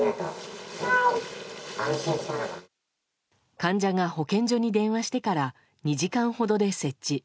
患者が保健所に電話してから２時間ほどで設置。